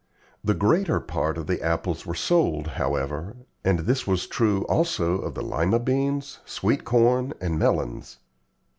The greater part of the apples were sold, however, and this was true also of the Lima beans, sweet corn, and melons.